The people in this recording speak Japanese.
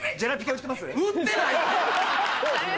売ってないって！